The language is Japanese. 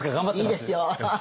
いいですよ！